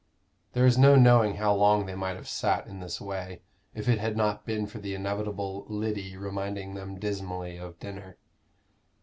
There is no knowing how long they might have sat in this way, if it had not been for the inevitable Lyddy reminding them dismally of dinner.